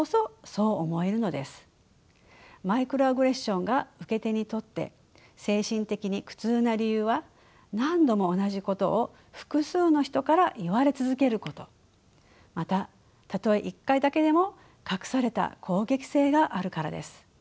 マイクロアグレッションが受け手にとって精神的に苦痛な理由は何度も同じことを複数の人から言われ続けることまたたとえ一回だけでも隠された攻撃性があるからです。